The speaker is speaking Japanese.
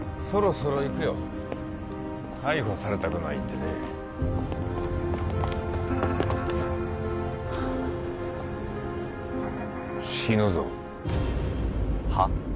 そろそろ行くよ逮捕されたくないんでね死ぬぞはっ？